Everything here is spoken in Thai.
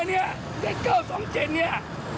เออเนี้ยเด็กเกิ้ลสองเจ็ดเนี้ย